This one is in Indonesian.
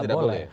itu tidak boleh